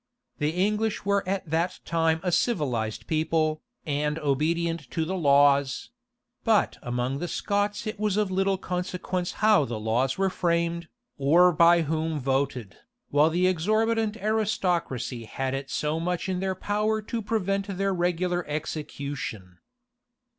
The English were at that time a civilized people, and obedient to the laws; but among the Scots it was of little consequence how the laws were framed, or by whom voted, while the exorbitant aristocracy had it so much in their power to prevent their regular execution.